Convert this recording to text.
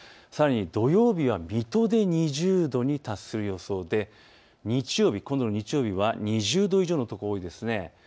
さらに土曜日は水戸で２０度に達する予想で日曜日、２０度以上の所が多いです。